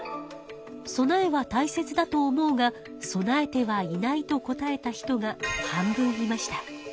備えは大切だと思うが備えてはいないと答えた人が半分いました。